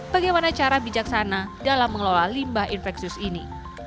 bagaimana cara bijaksana dalam mengelola limbah infeksius ini